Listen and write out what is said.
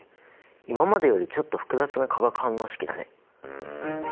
今までよりちょっと複雑な化学反応式だね。